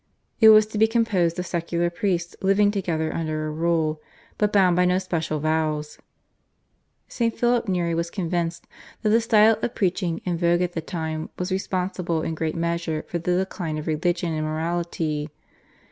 It was to be composed of secular priests living together under a rule, but bound by no special vows. St. Philip Neri was convinced that the style of preaching in vogue at the time was responsible in great measure for the decline of religion and morality.